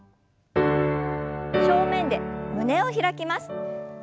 正面で胸を開きます。